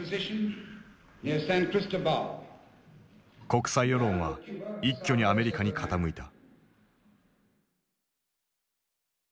国際世論は一挙にアメリカに傾いた。